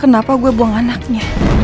kenapa aku diperlakukan seperti ini